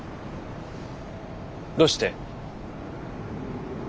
どうして？